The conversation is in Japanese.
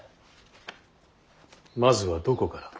まずはどこから。